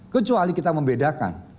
kecuali kita membedakan